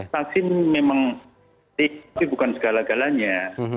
vaksin memang tinggi bukan segala galanya